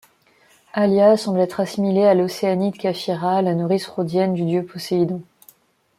Halia semble être assimilée à l'Océanide Caphira, la nourrice rhodienne du dieu Poséidon.